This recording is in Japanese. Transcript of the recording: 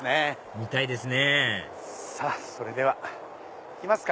見たいですねさぁそれでは行きますか。